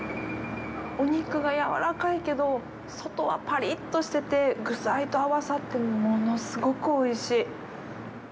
お肉がやわらかいけど、外はパリッとしてて、具材と合わさって物すごくおいしい！